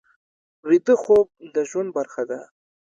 ویده خوب د ژوند برخه ده